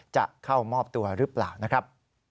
จะเข้ามอบตัวหรือเปล่านะครับ